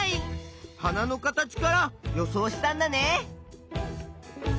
花の形から予想したんだね。